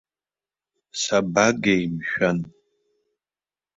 Сабагеи, мшәан?!